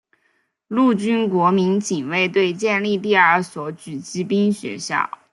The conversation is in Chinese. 陆军国民警卫队建立第二所狙击兵学校。